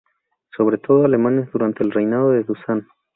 Sobre todo alemanes durante el reinado de Dusan.